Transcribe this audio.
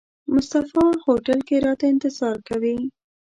مصطفی هوټل کې راته انتظار کوي.